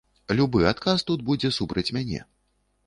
Любы адказ тут будзе супраць мяне.